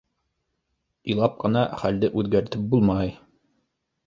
Илап ҡына хәлде үҙгәртеп булмай.